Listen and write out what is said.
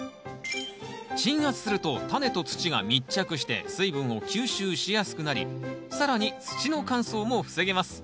鎮圧するとタネと土が密着して水分を吸収しやすくなり更に土の乾燥も防げます。